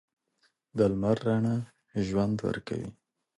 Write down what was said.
د لمر رڼا ژوند ورکوي.